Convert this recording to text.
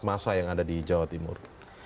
masa yang ada di jawa timur